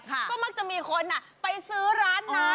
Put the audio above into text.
ก็มักจะมีคนไปซื้อร้านน้ำ